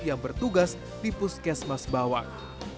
yang bertugas di puskesmas bawang